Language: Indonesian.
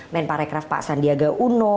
men para rekryf pak sandiaga uno